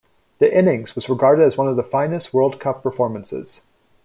The innings was regarded as one of the finest World Cup performances.